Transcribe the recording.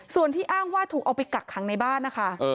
ส่วนที่อ้างว่าถูกเอาไปกักขังในบ้านนะคะ